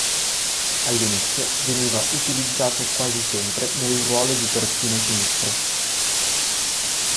All'inizio veniva utilizzato quasi sempre nel ruolo di terzino sinistro.